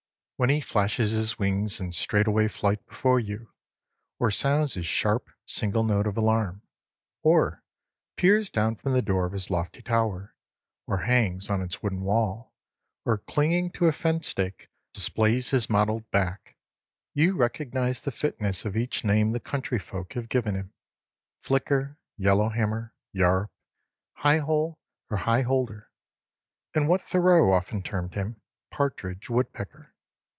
When he flashes his wings in straight away flight before you, or sounds his sharp, single note of alarm, or peers down from the door of his lofty tower, or hangs on its wooden wall, or clinging to a fence stake displays his mottled back, you recognize the fitness of each name the country folk have given him flicker, yellow hammer, yarrup, highhole or highholder, and what Thoreau often termed him, partridge woodpecker.